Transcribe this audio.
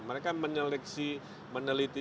mereka meneliti calegnya